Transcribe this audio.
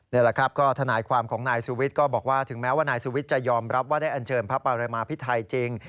นี่แหละครับก็ทนายความของนายสุวิทย์ก็บอกว่าถึงแม้ว่านายสุวิทย์จะยอมรับว่าได้อันเชิญพระปรมาพิไทยจริง